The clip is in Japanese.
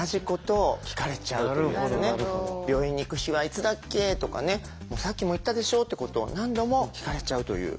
「病院に行く日はいつだっけ？」とかねさっきも言ったでしょってことを何度も聞かれちゃうという。